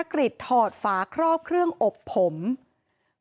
หมาก็เห่าตลอดคืนเลยเหมือนมีผีจริง